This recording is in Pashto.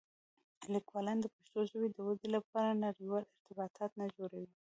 لیکوالان د پښتو ژبې د ودې لپاره نړيوال ارتباطات نه جوړوي.